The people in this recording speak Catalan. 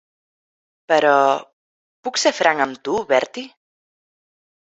Però, puc ser franc amb tu, Bertie?